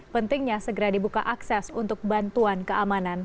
pentingnya segera dibuka akses untuk bantuan keamanan